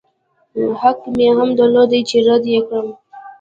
حق مې هم درلود چې رد يې کړم.